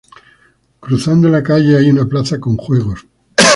Cruzando la calle hay una plaza con juegos.